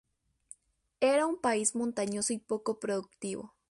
Era un país montañoso y poco productivo.